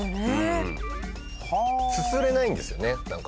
すすれないんですよね。